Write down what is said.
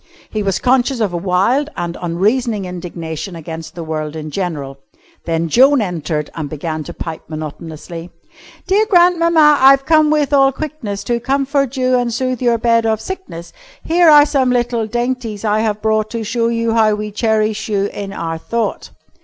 He was conscious of a wild and unreasoning indignation against the world in general. Then Joan entered and began to pipe monotonously: "Dear grandmamma, I've come with all quickness To comfort you and sooth your bed of sickness, Here are some little dainties I have brought To show you how we cherish you in our thought."